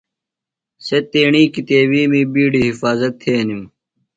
سےۡ تیݨی کِتیبِیمی بِیڈیۡ حِفاظت تھینِم۔